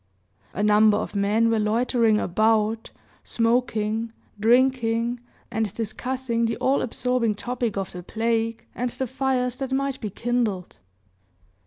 A number of men were loitering about, smoking, drinking, and discussing the all absorbing topic of the plague, and the fires that might be kindled.